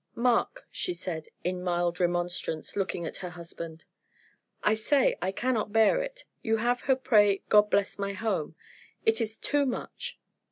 "Mark!" she said, in mild remonstrance, looking at her husband. "I say I cannot bear it. You have her pray, 'God bless my home.' It is too much."